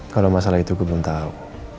kalau masalah itu gue belum tahu